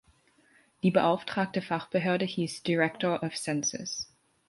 Die beauftragte Fachbehörde hieß "Director of Census".